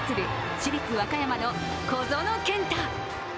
市立和歌山の小園健太。